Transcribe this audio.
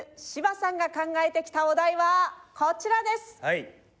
芝さんが考えてきたお題はこちらです！